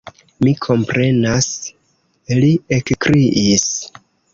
Mi komprenas, li ekkriis.